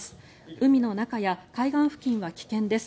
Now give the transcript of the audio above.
海の中や海岸付近は危険です。